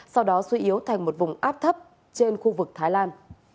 sau đó suy yếu thành một vùng áp thấp trên khu vực thái lan